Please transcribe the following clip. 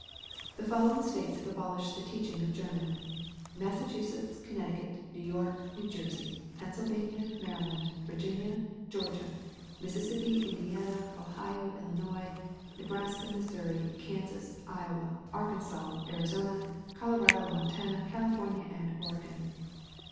*The following States have abolished the teaching of German: Massachusetts, Connecticut, New York, New Jersey, Pennsylvania, Maryland, Vir ginia, Georgia, Mississippi, Indiana, Ohio, Illinois, Nebraska, Missouri, Kansas, Iowa, Arkansas, Ari zona, Colorado, Montana, California, and Oregon.'